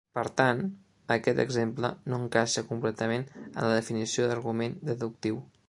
Per tant, aquest exemple no encaixa completament en la definició d'argument deductiu.